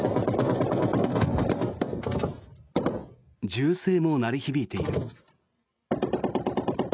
銃声も鳴り響いている。